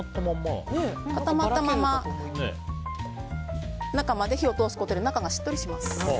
固まったまま中まで火を通すことで中がしっとりします。